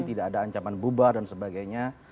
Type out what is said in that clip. tidak ada ancaman bubar dan sebagainya